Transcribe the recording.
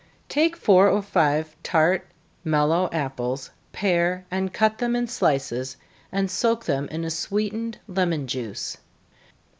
_ Take four or five tart, mellow apples, pare and cut them in slices, and soak them in sweetened lemon juice.